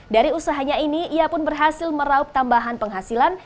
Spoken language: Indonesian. dari usahanya ini ia pun berhasil meraup tambahan penghasilan